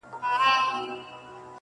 په کاروان کي سو روان د هوښیارانو-